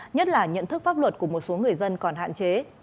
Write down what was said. nhất là nhận thức pháp luật của một số người dân còn hạn chế